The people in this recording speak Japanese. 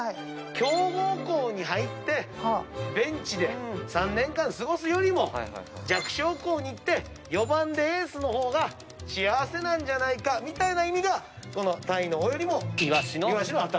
強豪校に入ってベンチで３年間過ごすよりも弱小校に行って４番でエースの方が幸せなんじゃないかみたいな意味が鯛の尾よりも鰯の頭。